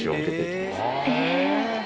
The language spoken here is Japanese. え。